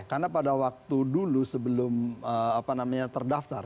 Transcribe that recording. karena pada waktu dulu sebelum apa namanya terdaftar